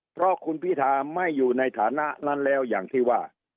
เพราะคุณพิธาไม่อยู่ในฐานะนั้นแล้วอย่างที่ว่า